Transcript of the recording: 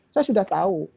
saya sudah tahu